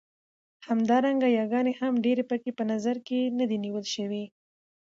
همدارنګه ياګانې هم ډېرې پکې په نظر کې نه دي نيول شوې.